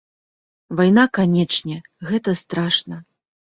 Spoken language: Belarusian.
Вайна, канечне, гэта страшна.